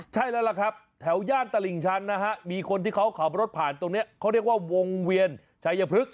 ใช่แล้วล่ะครับแถวย่านตลิ่งชันนะฮะมีคนที่เขาขับรถผ่านตรงนี้เขาเรียกว่าวงเวียนชัยพฤกษ